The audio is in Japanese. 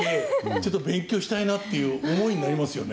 ちょっと勉強したいなっていう思いになりますよね。